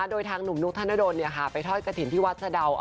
ด้วยทางนุมนุคธนดลไปทอดกระทินที่วัสดาว